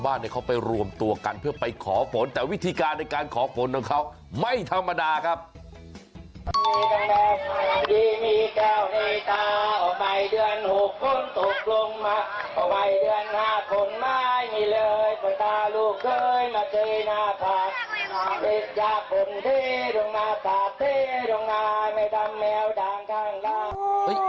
มาลูกเก้ยมาเทหน้าภาพฤทยาปุ่นเทลงมาสาดเทลงนายไม่ทำแมวด่างข้างล่าง